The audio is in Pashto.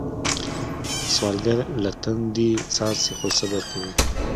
سوالګر له تندي څاڅي خو صبر کوي